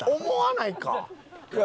思わないか。